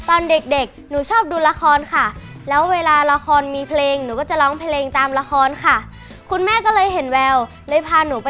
โอ่รักมาก่อน